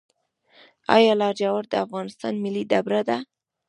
آیا لاجورد د افغانستان ملي ډبره ده؟